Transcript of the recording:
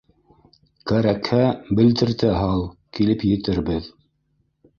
Кәрәкһә, белдертә һал, килеп етербеҙ